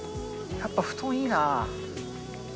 やっぱ布団いいな。